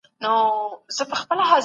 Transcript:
د مسيحيت فعاليت په مدرسو کي ډېر و.